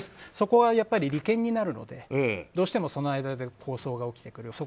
そこは利権になるのでどうしてもその間で抗争が起きてくる。